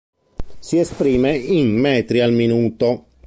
Si esprime in metri al minuto.